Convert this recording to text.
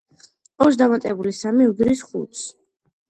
ორს დამატებული სამი უდრის ხუთს.